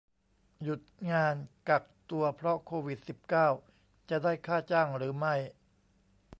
หยุดงานกักตัวเพราะโควิด สิบเก้า จะได้ค่าจ้างหรือไม่